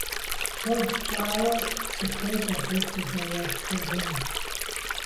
Куэд щӀауэ сыхуейт абы сыдэуэршэрыну.